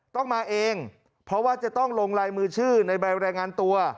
ต้องมาเองเพราะว่าจะต้องลงลายมือชื่อในใบรายงานตัว